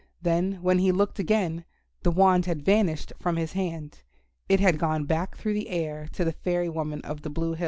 Then, when he looked again, the wand had vanished from his hand. It had gone back through the air to the fairy woman of the Blue Hills.